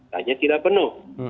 hanya tidak penuh